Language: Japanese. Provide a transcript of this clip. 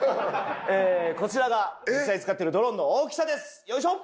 えこちらが実際に使ってるドローンの大きさですよいしょ。